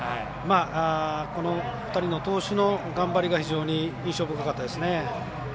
この２人の投手の頑張りが非常に印象深かったですね。